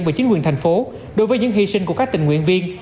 và chính quyền thành phố đối với những hy sinh của các tình nguyện viên